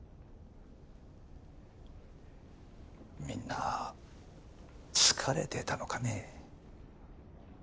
みんな疲れてたのかねぇ。